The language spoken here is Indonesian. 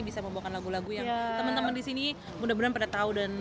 bisa membawakan lagu lagu yang temen temen di sini mudah mudahan pada tau dan